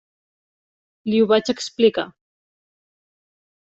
Li ho vaig explicar.